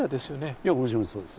いやもちろんそうです。